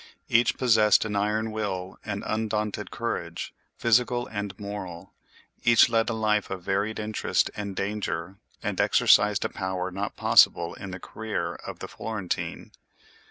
Each possessed an iron will and undaunted courage, physical and moral; each led a life of varied interest and danger, and exercised a power not possible in the career of the Florentine.